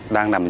đang làm gì